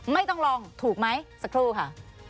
ไม่ต้องลองถูกไหมสักครู่ค่ะ